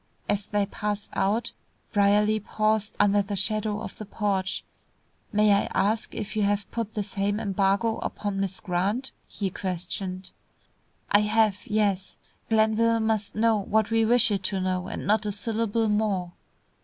As they passed out Brierly paused under the shadow of the porch. "May I ask if you have put the same embargo upon Miss Grant?" he questioned. "I have, yes. Glenville must know what we wish it to know, and not a syllable more."